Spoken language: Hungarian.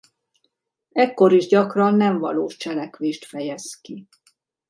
Ekkor is gyakran nem valós cselekvést fejez ki.